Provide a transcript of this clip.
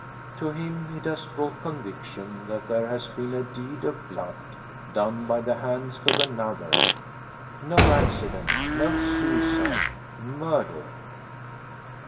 To him it has brought conviction that there has been a deed of blood done by the hand of another. "No accident no suicide murdered!"